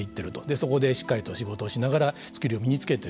そこでしっかりと仕事をしながらスキルを身につけている。